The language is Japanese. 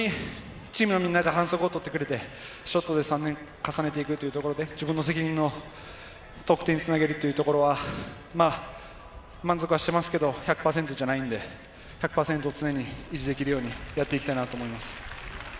ほんとにチームのみんな、反則を取ってくれて、ショットで３点重ねていくというところで、自分の責任の得点につなげるというところは、満足はしてますけど１００％じゃないんで、１００％を常に維持できるようにやっていきたいと思います。